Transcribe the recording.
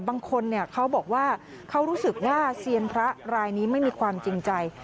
บางคนเขาบอกว่าเขารู้สึกว่าเซียนพระรายนี้ไม่มีความจริงใจ